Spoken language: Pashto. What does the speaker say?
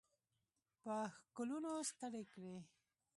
په ښکلونو ستړي کړي